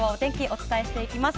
お伝えしていきます。